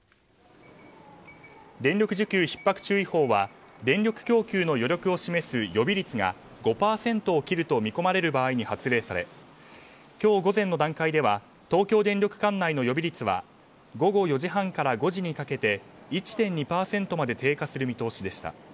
電力需給ひっ迫注意報は電力供給の余力を示す予備率が５％を切ると見込まれる場合に発令され、今日午前の段階では東京電力管内の予備率は午後４時半から５時にかけて１．２％まで低下する見通しでした。